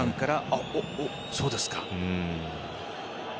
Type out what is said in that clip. そうですか。